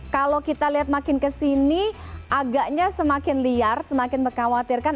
kalau kita lihat makin kesini agaknya semakin liar semakin mengkhawatirkan